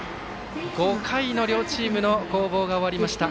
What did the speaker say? ５回の両チームの攻防が終わりました。